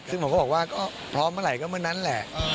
ซึ่งผมก็บอกว่าก็พร้อมเมื่อไหร่ก็เมื่อนั้นแหละ